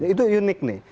itu unik nih